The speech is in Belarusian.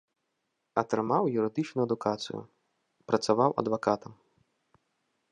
Атрымаў юрыдычную адукацыю, працаваў адвакатам.